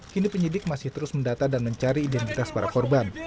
kini penyidik masih terus mendata dan mencari identitas para korban